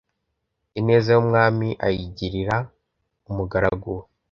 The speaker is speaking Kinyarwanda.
Ineza y ‘umwami ayigirira umugaraguwe.